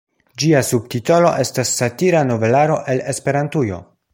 Ĝia subtitolo estas "Satira novelaro el Esperantujo".